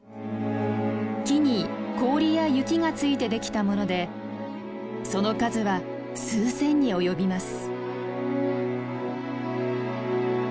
木に氷や雪が付いてできたものでその数は数千に及びます。